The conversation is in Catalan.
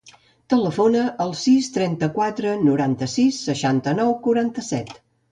Telefona al sis, trenta-quatre, noranta-sis, seixanta-nou, quaranta-set.